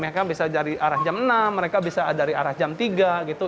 mereka bisa dari arah jam enam mereka bisa dari arah jam tiga gitu